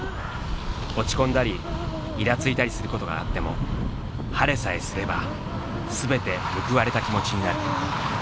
落ち込んだりいらついたりすることがあっても晴れさえすればすべて報われた気持ちになる。